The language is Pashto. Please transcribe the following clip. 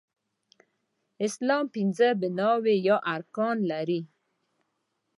اسلام پنځه بناوې يا ارکان لري